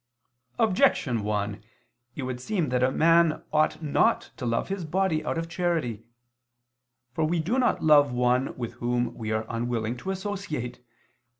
Objection 1: It would seem that a man ought not to love his body out of charity. For we do not love one with whom we are unwilling to associate.